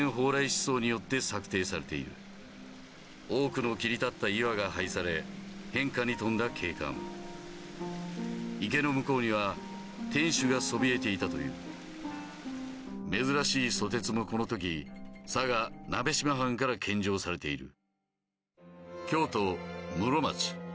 蓬莱思想によって作庭されている多くの切り立った岩が配され変化に富んだ景観池の向こうには天守がそびえていたという珍しい蘇鉄もこのとき佐賀・鍋島藩から献上されている京都・室町